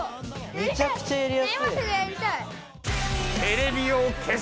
めちゃくちゃやりやすい。